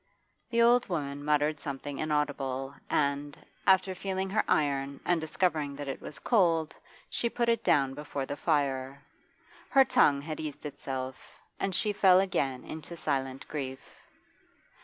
The old woman muttered something inaudible and, after feeling her iron and discovering that it was cold, she put it down before the fire. Her tongue had eased itself, and she fell again into silent grief.